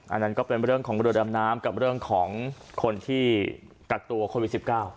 อันนั้นก็เป็นเรื่องของเรือดำน้ำกับเรื่องของคนที่กักตัวโควิด๑๙